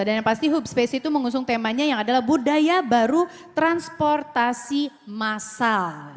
dan yang pasti hub space itu mengusung temanya yang adalah budaya baru transportasi massal